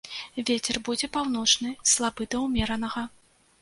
Вецер будзе паўночны, слабы да ўмеранага.